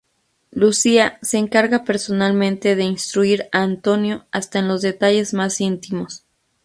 Lucía se encarga, personalmente, de instruir a Antonio hasta en los detalles más íntimos.